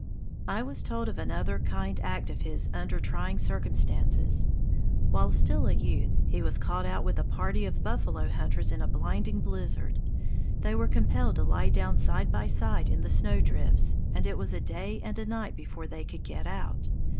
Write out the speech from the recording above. '" I was told of another kind act of his under trying circumstances. While still a youth, he was caught out with a party of buffalo hunters in a blinding blizzard. They were compelled to lie down side by side in the snowdrifts, and it was a day and a night before they could get out.